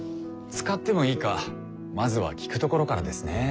使ってもいいかまずは聞くところからですね。